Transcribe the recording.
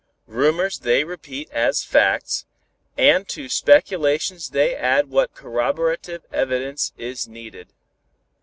Rumors they repeat as facts, and to speculations they add what corroborative evidence is needed.